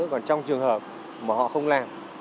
còn trong trường hợp mà họ không làm